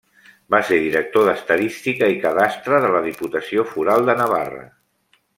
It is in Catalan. Va ser director d'Estadística i Cadastre de la Diputació Foral de Navarra.